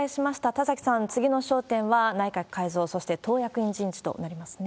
田崎さん、次の焦点は内閣改造、そして党役員人事となりますね。